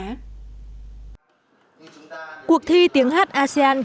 cuộc thi tổ chức hợp báo về cuộc thi tiếng hát asean cộng ba lần thứ hai năm hai nghìn một mươi chín